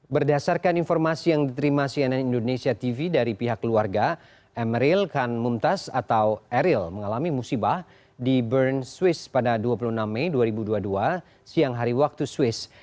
berdasarkan informasi yang diterima cnn indonesia tv dari pihak keluarga emeril khan mumtaz atau eril mengalami musibah di bern swiss pada dua puluh enam mei dua ribu dua puluh dua siang hari waktu swiss